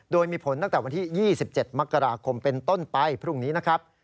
โดยมีผลตั้งแต่วันที่๒๗มกราคมเป็นต้นไปพรุ่งนี้นะครับ